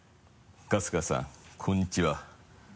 春日さんこんにちは。